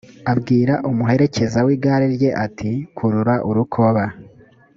abwira umuherekeza w’igare rye ati kurura urukoba